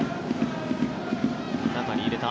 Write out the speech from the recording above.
中に入れた。